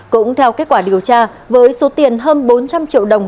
cũng theo kết quả điều tra với số tiền hơn bốn trăm linh triệu đồng